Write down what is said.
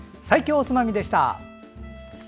最強おつまみでした。